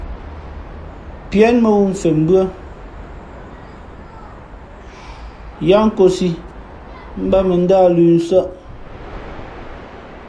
Píé mά wū mfen mbʉ́ά yáá nkōsī mbát mᾱ ndáh lʉ̄ nsάʼ.